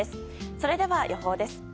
それでは予報です。